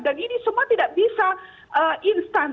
dan ini semua tidak bisa instan